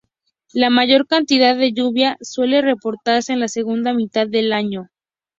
La mayor cantidad de lluvia suele reportarse en la segunda mitad del año.